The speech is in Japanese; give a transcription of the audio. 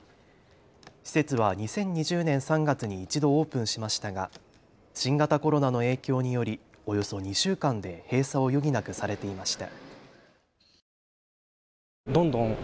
施設は２０２０年３月に一度、オープンしましたが新型コロナの影響によりおよそ２週間で閉鎖を余儀なくされていました。